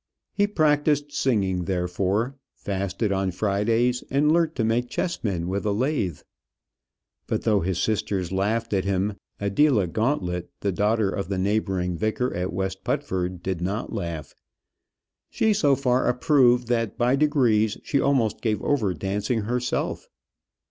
He practised singing, therefore, fasted on Fridays, and learnt to make chessmen with a lathe. But though his sisters laughed at him, Adela Gauntlet, the daughter of the neighbouring vicar at West Putford, did not laugh. She so far approved that by degrees she almost gave over dancing herself.